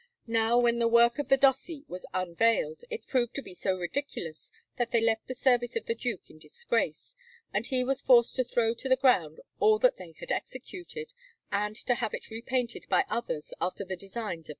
Canvas)] Now, when the work of the Dossi was unveiled, it proved to be so ridiculous that they left the service of the Duke in disgrace; and he was forced to throw to the ground all that they had executed, and to have it repainted by others after the designs of Genga.